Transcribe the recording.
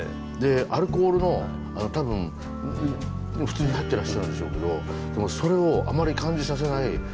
アルコールの多分普通に入ってらっしゃるんでしょうけどそれをあまり感じさせない。